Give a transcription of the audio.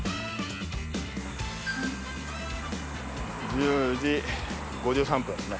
１０時５３分ですね。